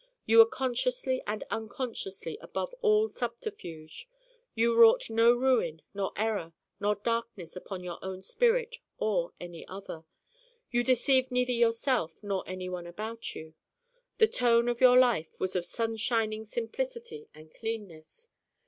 You were consciously and unconsciously above all subterfuge. You wrought no ruin nor error nor darkness upon your own spirit or any other. You deceived neither yourself nor anyone about you. The tone of your life was of sun shining simplicity and cleanness.